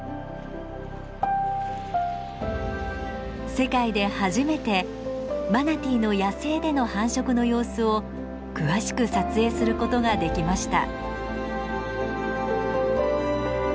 世界で初めてマナティーの野生での繁殖の様子を詳しく撮影することができました。